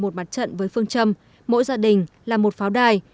một mặt trận với phương châm mỗi gia đình là một pháo đài